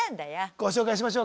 ご紹介しましょうか？